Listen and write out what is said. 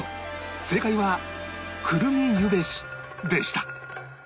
正解はくるみゆべしでした